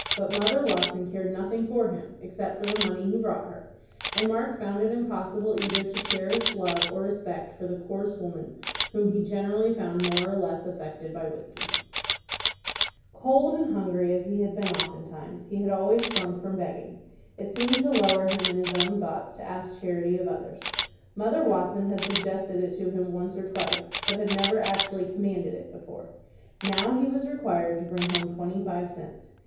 But Mother Watson cared nothing for him, except for the money he brought her, and Mark found it impossible either to cherish love or respect for the coarse woman whom he generally found more or less affected by whiskey. [Illustration: DICK AS A PHILANTHROPIST.] Cold and hungry as he had been oftentimes, he had always shrunk from begging. It seemed to lower him in his own thoughts to ask charity of others. Mother Watson had suggested it to him once or twice, but had never actually commanded it before. Now he was required to bring home twenty five cents.